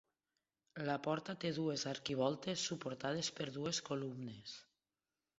La porta té dues arquivoltes suportades per dues columnes.